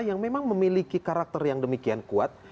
yang memang memiliki karakter yang demikian kuat